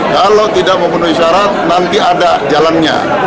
kalau tidak memenuhi syarat nanti ada jalannya